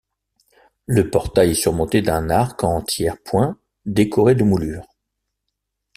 Le portail est surmonté d'un arc en tiers-point décoré de moulures.